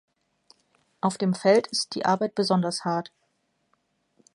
Auf dem Feld ist die Arbeit besonders hart.